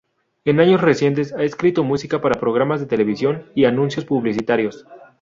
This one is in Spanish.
En años recientes, ha escrito música para programas de televisión y anuncios publicitarios.